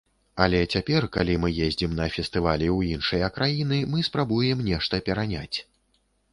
Але цяпер, калі мы ездзім на фестывалі ў іншыя краіны, мы спрабуем нешта пераняць.